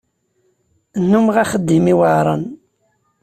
Nnumeɣ axeddim iweɛren.